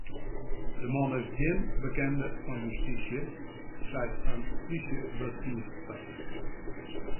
De man is gjin bekende fan justysje, seit in plysjewurdfierster.